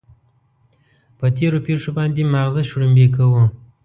پر تېرو پېښو باندې ماغزه شړومبې کوو.